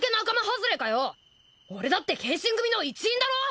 俺だって剣心組の一員だろ！